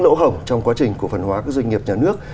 lỗ hổng trong quá trình cổ phần hóa các doanh nghiệp nhà nước